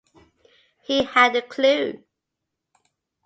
He had a clue!